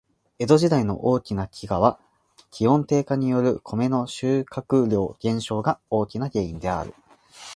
江戸時代の大きな飢饉は、気温低下によるコメの収穫量減少が大きな原因である。